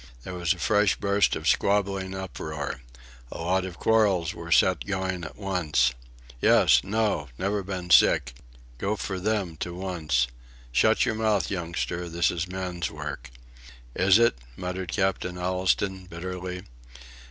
There was a fresh burst of squabbling uproar. A lot of quarrels were set going at once. "Yes." "No." "Never been sick." "Go for them to once." "Shut yer mouth, youngster this is men's work." "Is it?" muttered Captain Allistoun, bitterly.